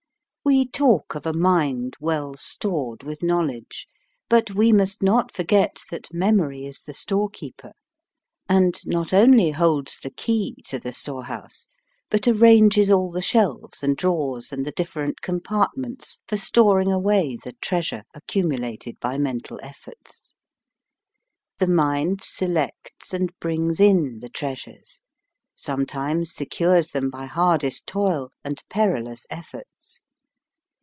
We talk of a mind well stored with knowledge, but we must not forget that memory is the storekeeper, and not only holds the key to the store house, but arranges all the shelves and drawers and the different compart ments for storing away the treasure accumulated by mental efforts. The mind selects and brings in the treas ures, sometimes secures them by hardest toil and perilous efforts.